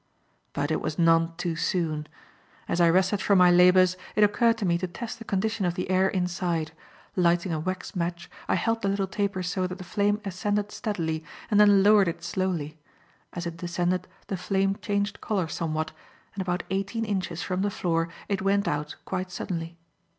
But it was none too soon. As I rested from my labours, it occurred to me to test the condition of the air inside. Lighting a wax match, I held the little taper so that the flame ascended steadily, and then lowered it slowly. As it descended the flame changed colour somewhat, and about eighteen inches from the floor it went out quite suddenly.